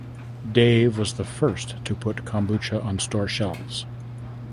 Dave was the first to put kombucha on store shelves.